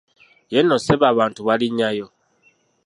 Ye nno ssebo abantu baalinnyayo!